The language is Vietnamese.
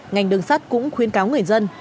ngành đường sắt cũng khuyên cáo người dân